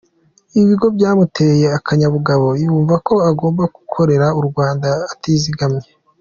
Ibi ngo byamuteye akanyabugabo yumva ko agomba gukorera u Rwanda atizigamye.